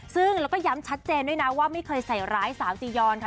ซึ่งแล้วก็ย้ำชัดเจนด้วยนะว่าไม่เคยใส่ร้ายสาวจียอนค่ะ